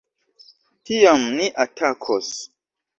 Tiam, ni atakos.